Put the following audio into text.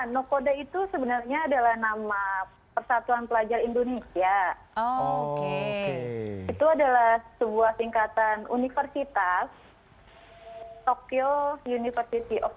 nama persatuan pelajar indonesia oke itu adalah sebuah singkatan universitas tokyo university of